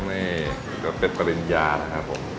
นี่ก็เป็นปริญญานะครับผม